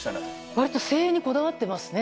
割と声援にこだわってますね。